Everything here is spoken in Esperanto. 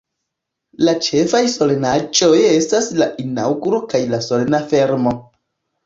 La ĉefaj solenaĵoj estas la Inaŭguro kaj la Solena Fermo.